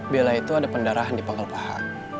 bella itu ada pendarahan di panggel paha